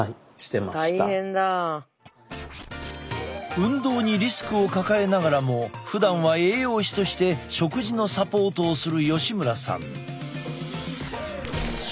運動にリスクを抱えながらもふだんは栄養士として食事のサポートをする吉村さん。